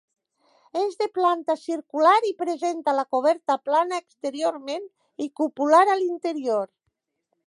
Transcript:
És de planta circular i presenta la coberta plana exteriorment i cupular a l'interior.